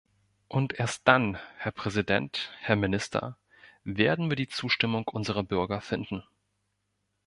Und erst dann, Herr Präsident, Herr Minister, werden wir die Zustimmung unserer Bürger finden.